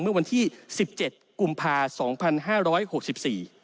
เมื่อวันที่๑๗กุมภาคม๒๕๖๔